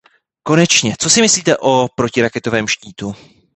Konečně, co si myslíte o protiraketovém štítu?